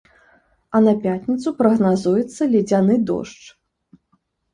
А на пятніцу прагназуецца ледзяны дождж.